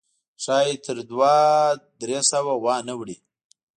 ښایي تر دوه درې سوه وانه وړي.